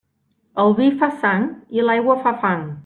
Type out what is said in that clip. El vi fa sang i l'aigua fa fang.